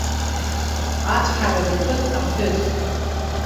Ацәҳара даҿын аԥҳәыс.